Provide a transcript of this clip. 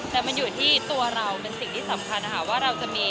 แต่มันอยู่ที่ตัวเราเป็นสิ่งที่สำคัญนะคะว่าเราจะมี